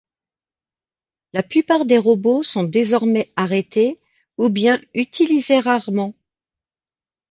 La plupart des robots sont désormais arrêtés, ou bien utilisés rarement.